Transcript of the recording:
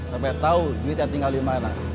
sampai tau cuita tinggal dimana